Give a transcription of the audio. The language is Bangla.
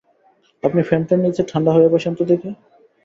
আপনি ফ্যানটার নিচে ঠাণ্ডা হয়ে বসেন তো দেখি।